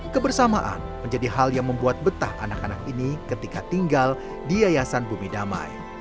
kebersamaan menjadi hal yang membuat betah anak anak ini ketika tinggal di yayasan bumi damai